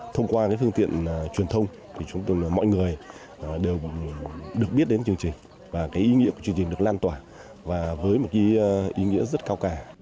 thông qua phương tiện truyền thông chúng tôi và mọi người đều được biết đến chương trình và ý nghĩa của chương trình được lan tỏa với ý nghĩa rất cao cả